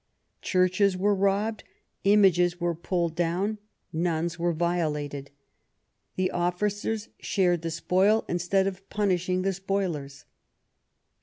Churches were robbed ; images were pulled down ; nuns were violated. The officers shared the spoil instead of punishing the spoilers."